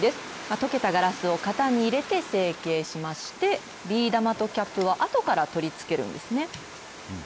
溶けたガラスを型に入れて成型しましてビー玉とキャップはあとから取りつけるんですね。